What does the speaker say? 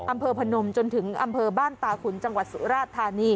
พนมจนถึงอำเภอบ้านตาขุนจังหวัดสุราชธานี